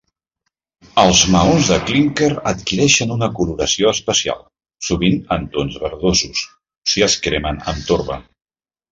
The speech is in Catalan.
Els maons de clínquer adquireixen una coloració especial, sovint en tons verdosos, si es cremen amb torba.